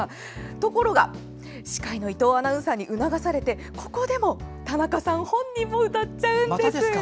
ところが、司会の伊藤アナウンサーに促されてここでも田中さん本人も歌っちゃうんです！